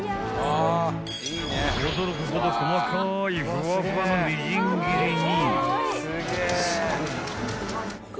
［驚くほど細かいフワフワのみじん切りに］